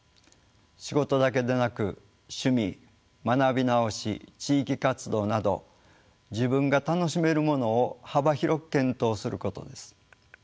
仕事だけでなく趣味学び直し地域活動など自分が楽しめるものを幅広く検討することです。